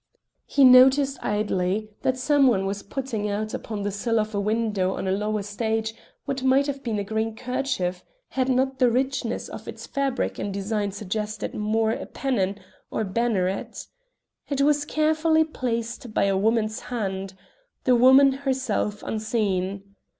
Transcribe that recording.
He noticed idly that some one was putting out upon the sill of a window on a lower stage what might have been a green kerchief had not the richness of its fabric and design suggested more a pennon or banneret. It was carefully placed by a woman's hands the woman herself unseen.